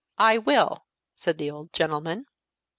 "I will!" said the old gentleman.